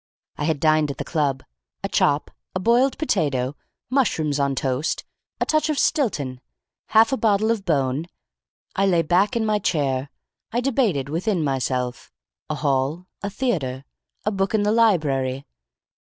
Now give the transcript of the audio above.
"I had dined at the club. A chop. A boiled potato. Mushrooms on toast. A touch of Stilton. Half a bottle of Beaune. I lay back in my chair. I debated within myself. A Hall? A theatre? A book in the library?